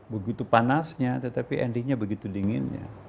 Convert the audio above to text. begitu panasnya tetapi endingnya begitu dinginnya